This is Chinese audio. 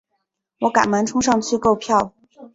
我赶忙冲上去购票